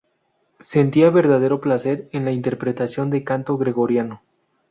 Sentía verdadero placer en la interpretación del canto gregoriano.